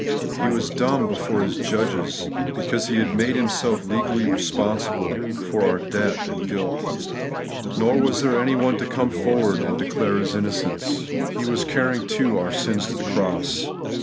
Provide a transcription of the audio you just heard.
He was dumb before His judges, because He had made Himself legally re sponsible for our debt or guilt. Nor was there any one to come forward and declare His innocen D 50 The Everlasting BigMeousness. He was carrying, too, our sins to the cross.